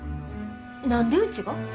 何でうちが？